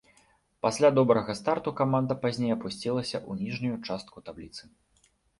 Пасля добрага старту каманда пазней апусцілася ў ніжнюю частку табліцы.